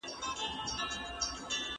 د مظلومانو صبر انسان په تعجب کي اچوي.